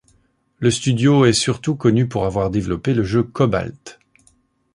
Le studio est surtout connu pour avoir développé le jeu Cobalt.